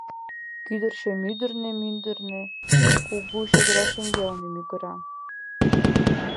Кӱдырчӧ мӱрдырнӧ-мӱндырнӧ, кугу чодыра шеҥгелне, мӱгыра.